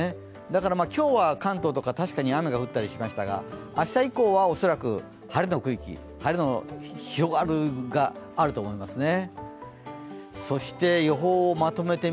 だから今日は関東とか確かに雨が降ったりしましたが明日以降は恐らく晴れの広がりがあると思いますね。